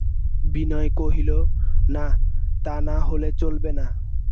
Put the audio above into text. বিনয় কহিল, না, তা না হলে চলবে না।